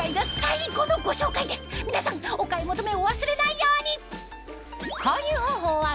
皆さんお買い求めお忘れないように！